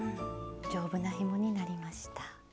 丈夫なひもになりました。